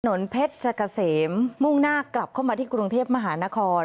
ถนนเพชรชะกะเสมมุ่งหน้ากลับเข้ามาที่กรุงเทพมหานคร